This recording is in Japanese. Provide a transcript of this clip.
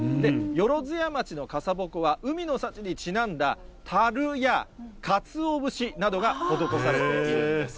万屋町の傘鉾は海の幸にちなんだタルやかつお節などが施されているんです。